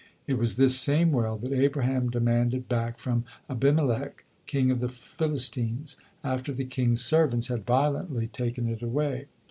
It was this same well that Abraham demanded back from Abimelech, king of the Philistines, after the king's servants had violently taken it away.